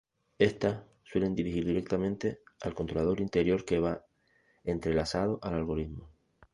Estas suelen dirigir directamente al controlador interior que va entrelazado al algoritmo.